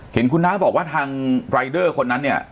เห็นคุณน้าบอกว่าทางรายเดอร์คนนั้นเนี่ย